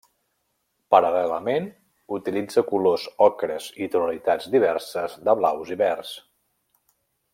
Paral·lelament, utilitza colors ocres i tonalitats diverses de blaus i verds.